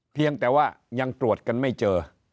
เพียงแต่ว่ายังตรวจกันไม่เจอ